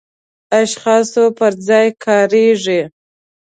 اشخاصو پر ځای کاریږي.